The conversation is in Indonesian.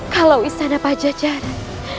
kalau istana pajajara